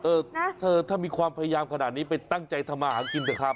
เออนะเธอถ้ามีความพยายามขนาดนี้ไปตั้งใจทำมาหากินเถอะครับ